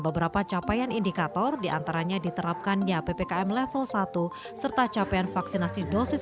beberapa capaian indikator diantaranya diterapkannya ppkm level satu serta capaian vaksinasi dosis